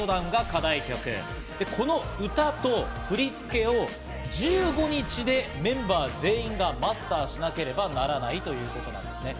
で、この歌と振り付けを１５日でメンバー全員がマスターしなければならないということなんですね。